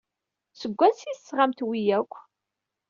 Seg wansi ay d-tesɣam wi akk?